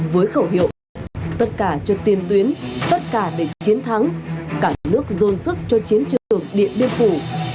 với khẩu hiệu tất cả cho tiền tuyến tất cả để chiến thắng cả nước dồn sức cho chiến trường điện biên phủ